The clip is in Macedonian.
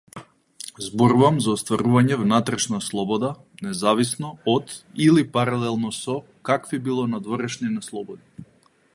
Зборувам за остварување внатрешна слобода независно од или паралелно со какви било надворешни неслободи.